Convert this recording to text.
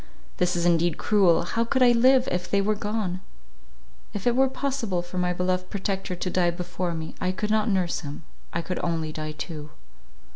This is indeed cruel —how could I live, if they were gone? If it were possible for my beloved protector to die before me, I could not nurse him; I could only die too."